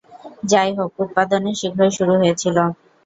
যাইহোক, উৎপাদন শীঘ্রই শুরু হয়েছিল।